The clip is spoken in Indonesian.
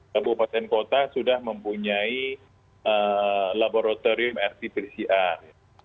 kabupaten kota sudah mempunyai laboratorium rt pcr